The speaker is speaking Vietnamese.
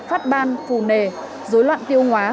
phát ban phù nề dối loạn tiêu hóa